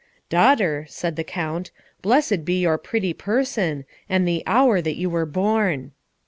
"Daughter," said the Count, "blessed be your pretty person, and the hour that you were born."